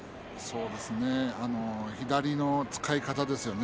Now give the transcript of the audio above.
左の使い方ですね